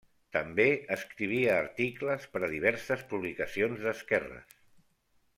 També escrivia articles per a diverses publicacions d'esquerres.